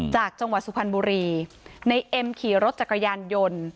จากจังหวัดสุพรรณบุรีในเอ็มขี่รถจักรยานยนต์